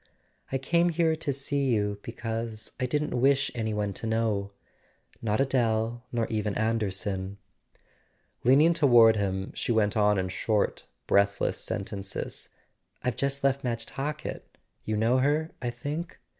"I came here to see you because I didn't wish any one to know; not Adele, nor even Anderson." Leaning toward him she went on in short breathless sentences: "I've just left Madge Talkett: you know her, I think